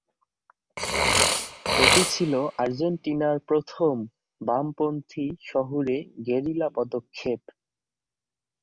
এটি ছিল আর্জেন্টিনার প্রথম বামপন্থী শহুরে গেরিলা পদক্ষেপ।